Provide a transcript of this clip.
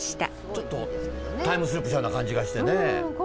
ちょっとタイムスリップしたような感じがしてね。